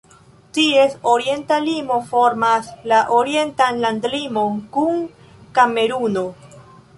Ties orienta limo formas la orientan landlimon kun Kameruno.